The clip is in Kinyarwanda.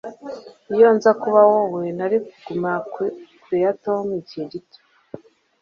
Iyo nza kuba wowe, nari kuguma kure ya Tom igihe gito.